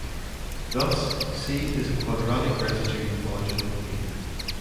Thus "c" is a quadratic residue modulo "p".